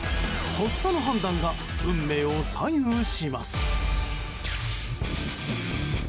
とっさの判断が運命を左右します。